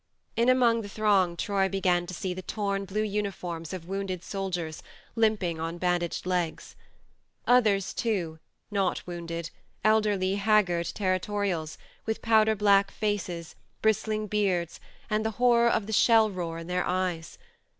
... In among the throng Troy began to see the torn blue uniforms of wounded soldiers limping on bandaged legs. ... Others too, not wounded, elderly haggard territorials, with powder black faces, bristling beards, and the horror of the shell roar in their eyes.